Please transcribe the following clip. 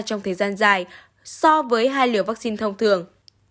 trong thời gian dài so với hai liều vaccine thông thường